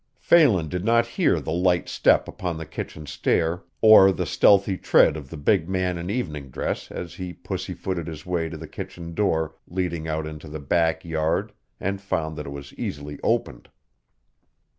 Phelan did not hear the light step upon the kitchen stair or the stealthy tread of the big man in evening dress as he pussy footed his way to the kitchen door leading out into the back yard and found that it was easily opened.